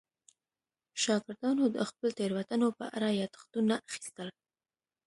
شاګردانو د خپلو تېروتنو په اړه یادښتونه اخیستل.